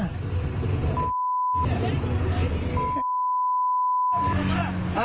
ลงมา